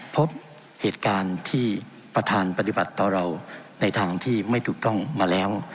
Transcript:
พบเหตุการณ์ที่ประธานปฏิบัติต่อเราในทางที่ไม่ถูกต้องมาแล้ว